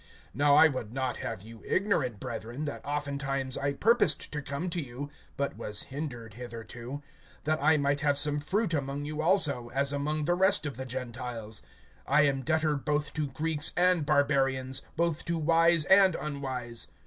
(13)Now I would not have you ignorant, brethren, that often times I purposed to come to you (but was hindered hitherto), that I might have some fruit among you also, as among the rest of the Gentiles. (14)I am debtor both to Greeks and Barbarians; both to wise and unwise.